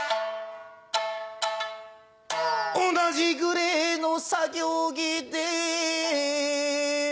同じグレーの作業着で